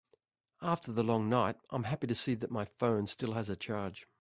After the long night, I am happy to see that my phone still has a charge.